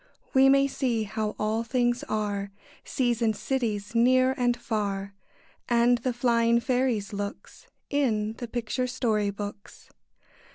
We may see how all things are, Seas and cities, near and far, And the flying fairies' looks, In the picture story books.